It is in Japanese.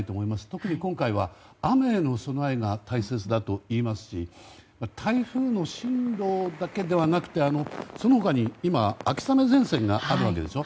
特に今回は雨への備えが大切だといいますし台風の進路だけではなくてその他に今、秋雨前線があるわけでしょ。